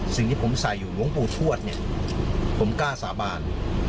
สิ่งที่ผมใส่อยู่หลวงปู่ทวดเนี่ยผมกล้าสาบาน